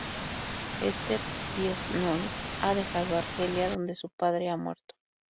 Este, "pied-noir", ha dejado Argelia, donde su padre ha muerto.